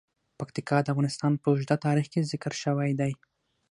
پکتیکا د افغانستان په اوږده تاریخ کې ذکر شوی دی.